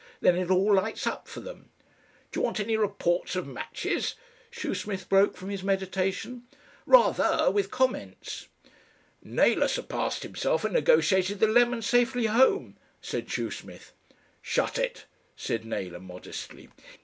Then it all lights up for them." "Do you want any reports of matches?" Shoesmith broke from his meditation. "Rather. With comments." "Naylor surpassed himself and negotiated the lemon safely home," said Shoesmith. "Shut it," said Naylor modestly.